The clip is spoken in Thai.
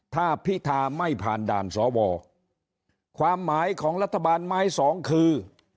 ถ้าพิธาไม่ผ่านด่านสวความหมายของรัฐบาลไม้สองคือ